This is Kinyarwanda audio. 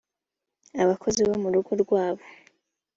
abakozi bo mu rugo rwabo